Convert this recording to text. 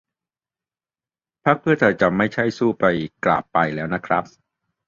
พรรคเพื่อไทยจะไม่ใช่สู้ไปกราบไปแล้วนะครับ